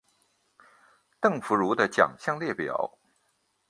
邓福如的奖项列表